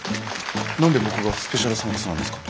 何で僕がスペシャルサンクスなんですか？